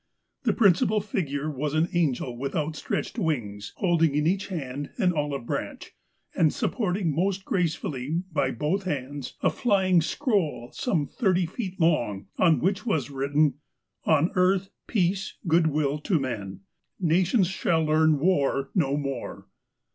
The principal figure was an angel with outstretched wings, holding in each hand an olive branch, and supporting most gracefully, by both hands, a flying scroll, some thirty feet long, on which was written ' On earth peace, good will to men. Nations shall learn war no more.'